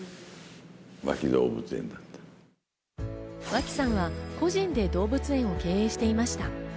脇さんは個人で動物園を経営していました。